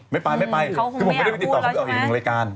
ไม่ไปคุณหมดวิธีค่ะเขาคงไม่อยากพูดออกไปเอาอีกหนึ่งรายการ